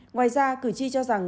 ngoài ra cử tri cho rằng